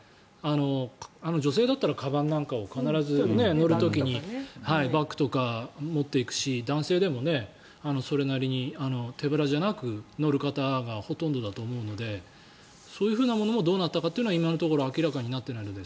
女性だったらかばんなんかを必ず乗る時にバッグとか持っていくし男性でもそれなりに手ぶらじゃなく乗る方がほとんどだと思うのでそういうふうなものもどうなったのかも今のところ明らかになっていないので。